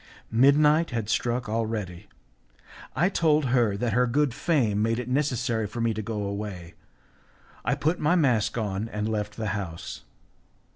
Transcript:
Midnight had struck already; I told her that her good fame made it necessary for me to go away; I put my mask on and left the house.